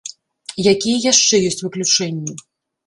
Якія яшчэ ёсць выключэнні?